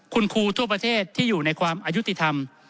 คุณครูทั่วประเทศที่อยู่ในความอายุติธรรม